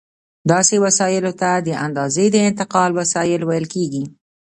داسې وسایلو ته د اندازې د انتقال وسایل ویل کېږي.